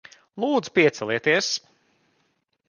Lūdzu, piecelieties.